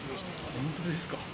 本当ですか？